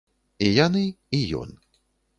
І яны, і ён.